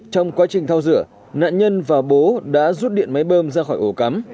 trong quá trình thao rửa nạn nhân và bố đã rút điện máy bơm ra khỏi ổ cắm